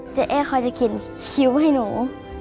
เจ้าแอ้ค่อยจะกลิ่นคิ้วให้หนู